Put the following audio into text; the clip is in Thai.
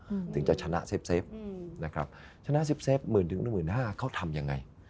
อืมถึงจะชนะเซฟเซฟอืมนะครับชนะสิบเซฟหมื่นถึงหนึ่งหมื่นห้าเขาทำยังไง